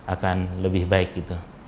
akan lebih baik gitu